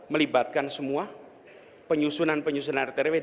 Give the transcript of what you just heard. melibatkan semua penyusunan penyusunan rtrw